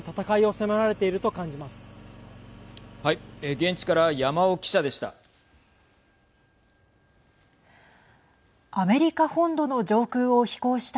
現地から山尾記者でした。